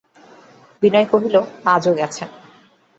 বিনয় কহিল, আজও গেছে।